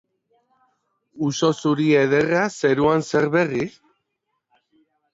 Uso zuri ederra, zeruan zer berri?